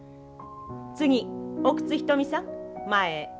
次奥津牟さん前へ。